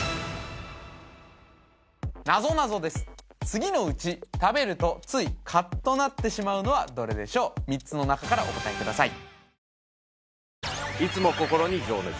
次のうち食べるとついカッとなってしまうのはどれでしょう３つの中からお答えください